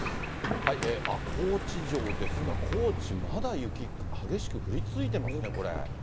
あっ、高知城ですが、高知、まだ雪激しく降り続いてますね、これ。